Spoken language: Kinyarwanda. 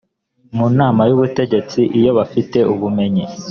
mu nama y ubutegetsi iyo bafite ubumenyi